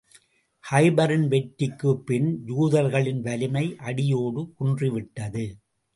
கைபரின் வெற்றிக்குப் பின், யூதர்களின் வலிமை அடியோடு குன்றிவிட்டது.